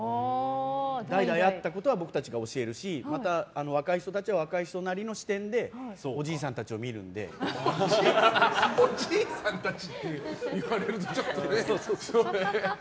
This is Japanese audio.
代々あったことは僕たちが教えるし若い人たちは若い人なりの視点でおじいさんたちって言われるとちょっとね。